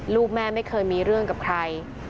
ลูกแม่ไม่เคยมีเรื่องกับใคร